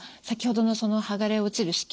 先ほどのその剥がれ落ちる